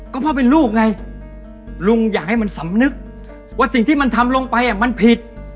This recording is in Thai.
ก็พ่อเป็นลูกไงลุงอยากให้มันสำนึกว่าสิ่งที่มันทำลงไปมันผิด